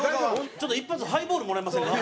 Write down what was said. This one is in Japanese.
ちょっと一発ハイボールもらえませんか？